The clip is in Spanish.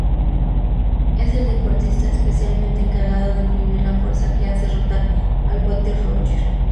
Es el deportista especialmente encargado de imprimir la fuerza que hace rotar al water-roller.